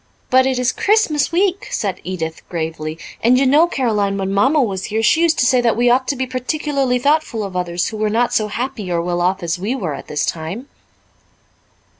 "But it is Christmas week," said Edith gravely, "and you know, Caroline, when Mamma was here she used to say that we ought to be particularly thoughtful of others who were not so happy or well off as we were at this time."